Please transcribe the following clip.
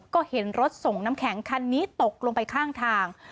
ก็เห็นรถส่งน้ำแข็งคันนี้ตกลงไปข้างทาง